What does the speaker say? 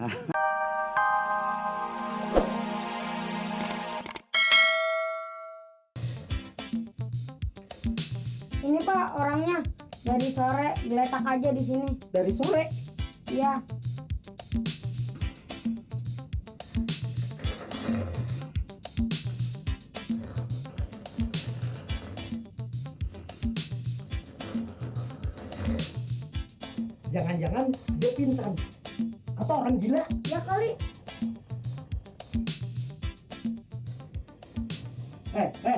ini kok orangnya dari sore letak aja di sini dari sore iya